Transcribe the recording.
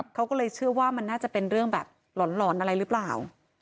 เขาก็เลยเชื่อว่ามันน่าจะเป็นเรื่องแบบหลอนอะไรหรือเปล่า